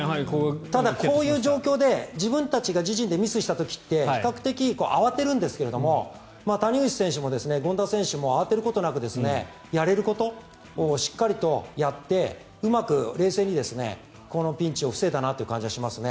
ただ、こういう状況で自分たちが自陣でミスした時って比較的慌てるんですけども谷口選手も権田選手も慌てることなく、やれることをしっかりとやってうまく冷静にこのピンチを防いだなという感じがしますね。